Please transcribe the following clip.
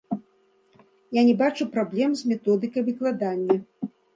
Я не бачу праблем з методыкай выкладання.